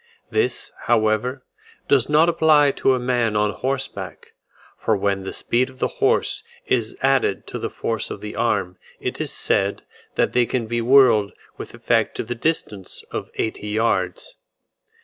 This, however, does not apply to a man on horseback; for when the speed of the horse is added to the force of the arm, it is said, that they can be whirled with effect to the distance of eighty yards.